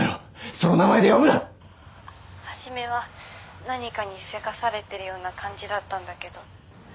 その名前で呼ぶな「初めは何かにせかされてるような感じだったんだけど」